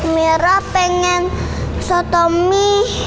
mira pengen sholat tomi